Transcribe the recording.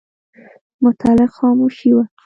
مطلق خاموشي وه .